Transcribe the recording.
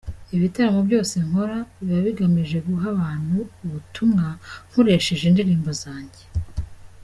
Ibitaramo byose nkora biba bigamije guha abantu ubutumwa, nkoresheje indirimbo zanjye.